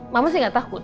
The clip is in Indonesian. mama sih gak takut